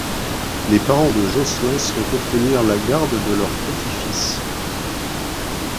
Les parents de Jocelyn souhaitent obtenir la garde de leur petit-fils.